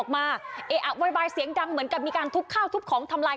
ไม่เชื่อใครกับคนเลย